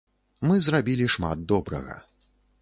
Мы зрабілі шмат добрага.